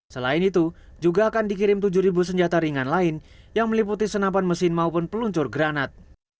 selain itu juga akan dikirim tujuh senjata ringan lain yang meliputi senapan mesin maupun peluncur granat